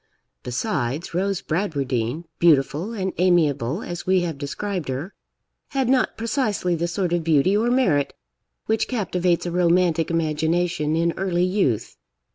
Besides, Rose Bradwardine, beautiful and amiable as we have described her, had not precisely the sort of beauty or merit which captivates a romantic imagination in early youth.